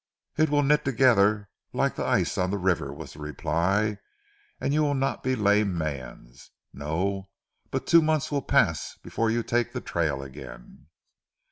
"It veel knit together like ze ice on ze river!" was the reply. "An' you veel not be lame mans. No! But two months veel pass before you take ze trail again."